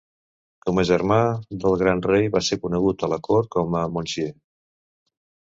Com a germà gran del rei, va ser conegut a la cort com a "Monsieur".